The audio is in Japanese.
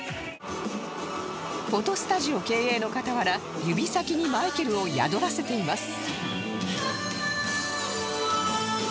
フォトスタジオ経営の傍ら指先にマイケルを宿らせています